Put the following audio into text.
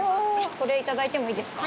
これ、いただいてもいいですか。